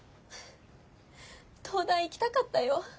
東大行きたかったよ？